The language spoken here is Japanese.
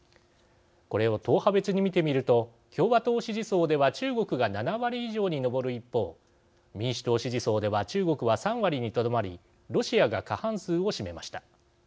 これを党派別に見てみると共和党支持層では中国が７割以上に上る一方民主党支持層では中国は３割にとどまりロシアが過半数を占めました。